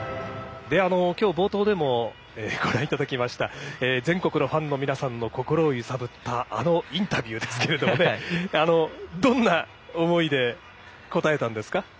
きょう、冒頭でもご覧いただきました全国のファンの皆さんの心を揺さぶったあのインタビューですけれどもどんな思いで答えたんですか？